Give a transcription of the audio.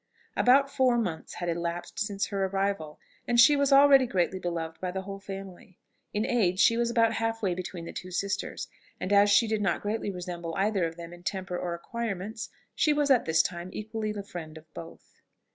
About four months had elapsed since her arrival, and she was already greatly beloved by the whole family. In age she was about half way between the two sisters; and as she did not greatly resemble either of them in temper or acquirements, she was at this time equally the friend of both.